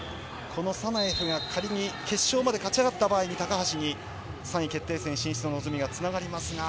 サナエフが仮に決勝で勝ち上がった場合に高橋に３位決定戦進出の望みが繋がります。